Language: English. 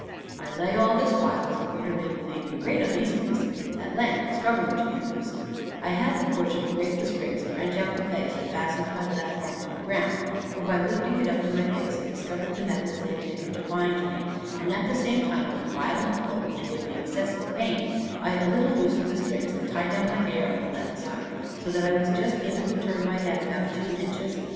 I lay all this while, as the reader may believe, in great uneasiness; at length, struggling to get loose, I had the fortune to break the strings, and wrench out the pegs that fastened my left arm to the ground; for, by lifting it up to my face, I discovered the methods they had taken to bind me, and, at the same time, with a violent pull, which gave me excessive pain, I a little loosened the strings that tied down my hair on the left side, so that I was just able to turn my head about two inches.